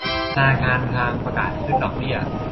ธนาคารกลางประกาศขึ้นดอกเบี้ย